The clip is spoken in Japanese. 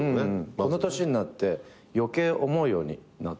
この年になって余計思うようになった。